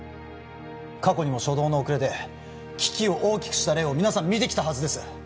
過去にも初動の遅れで危機を大きくした例を皆さん見てきたはずです